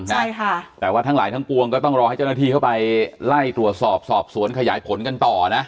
ใช่ค่ะแต่ว่าทั้งหลายทั้งปวงก็ต้องรอให้เจ้าหน้าที่เข้าไปไล่ตรวจสอบสอบสวนขยายผลกันต่อนะ